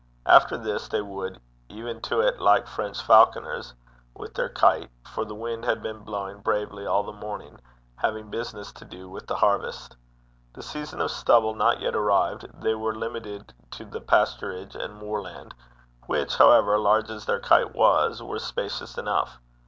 After this they would 'e'en to it like French falconers' with their kite, for the wind had been blowing bravely all the morning, having business to do with the harvest. The season of stubble not yet arrived, they were limited to the pasturage and moorland, which, however, large as their kite was, were spacious enough.